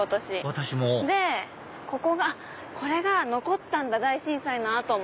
私もでここがあっこれが残ったんだ大震災の後も。